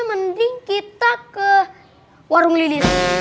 mending kita ke warung lili